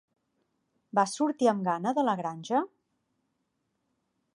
Vas sortir amb gana de La granja?